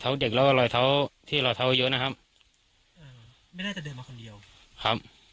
ลอยเท้าเด็กแล้วก็ลอยเท้าที่ลอยเท้าเยอะนะครับเออไม่ได้แต่เดินมาคนเดียวครับ